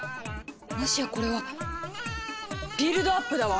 もしやこれは「ビルドアップ」だわ！